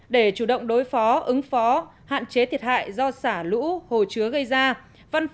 để chủ động đối phó ứng phó hạn chế thiệt hại do xả lũ hồ chứa gây ra